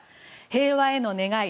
平和への願い。